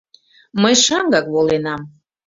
Мый шаҥгак воленам.